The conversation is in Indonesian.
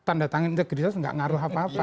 tanda tangan integritas nggak ngaruh apa apa